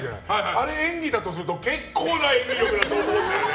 あれ、演技だとすると結構な演技力だと思うんだよね。